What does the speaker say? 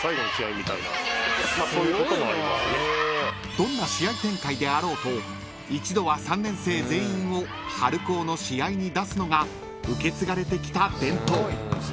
［どんな試合展開であろうと一度は３年生全員を春高の試合に出すのが受け継がれてきた伝統］